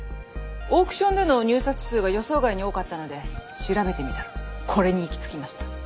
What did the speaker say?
オークションでの入札数が予想外に多かったので調べてみたらこれに行きつきました。